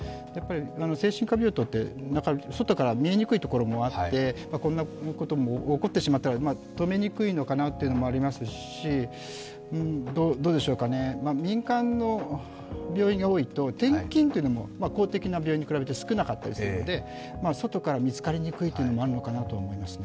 精神科病棟って外から見えにくいところもあってこんなことも起こってしまったら止めにくいのかというのもありますし、民間の病院が多いと、転勤も公的な病院に比べて少なかったりするので、外から見つかりにくいというのもあるかもしれませんね。